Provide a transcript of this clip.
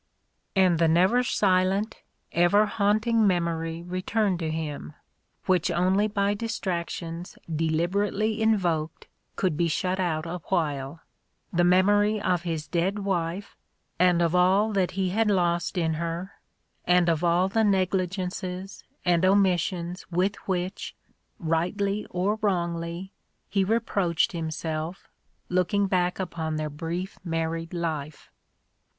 And the never silent, ever haunting memory returned to him, which only by distractions deliberately invoked could be shut out awhile : the memory of his dead wife, and of all that he had lost in her, and of all the negligences and omissions with which, rightly or wrongly, he reproached himself, looking back upon their brief married life.